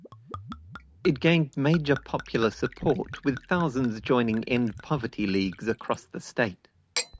It gained major popular support, with thousands joining End Poverty Leagues across the state.